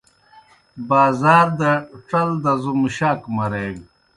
بازار دہ ڇل دزو مُشاک مریگان۔